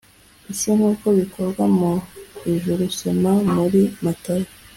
Isi nk uko bikorwa mu ijuru soma muri matayo